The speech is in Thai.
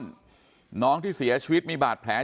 หลักฐานที่เสียชีวิตมีบาดแผล